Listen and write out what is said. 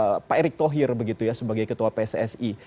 nah pak erik thohir begitu ya sebagai ketua pssi